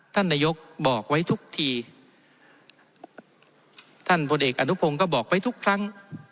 ท่านนายกบอกไว้ทุกทีท่านพลเอกอนุพงศ์ก็บอกไว้ทุกครั้ง